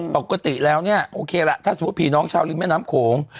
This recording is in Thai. ปกติแล้วเนี่ยโอเคล่ะถ้าสมมุติผีน้องชาวริมแม่น้ำโขง